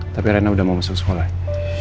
tapi rana udah mau masuk sekolah ya